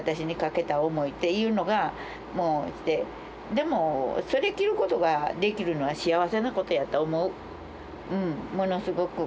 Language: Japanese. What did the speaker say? でもそれ着ることができるのは幸せなことやと思うものすごく。